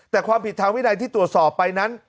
แต่ความผิดทางวินัยที่ตรวจสอบไปนั้น